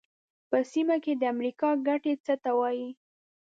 په سیمه کې د امریکا ګټې څه ته وایي.